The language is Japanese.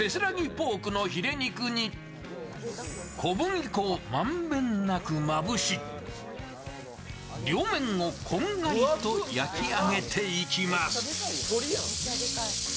ポークのヒレ肉に小麦粉を満遍なくまぶし両面をこんがりと焼き上げていきます。